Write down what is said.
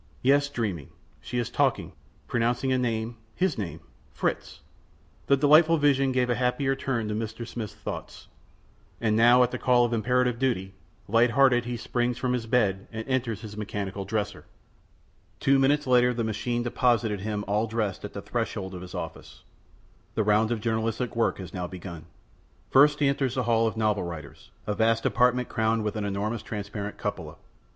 Yes, dreaming. She is talking, pronouncing a name his name Fritz! The delightful vision gave a happier turn to Mr. Smith's thoughts. And now, at the call of imperative duty, light hearted he springs from his bed and enters his mechanical dresser. Two minutes later the machine deposited him all dressed at the threshold of his office. The round of journalistic work was now begun. First he enters the hall of the novel writers, a vast apartment crowned with an enormous transparent cupola.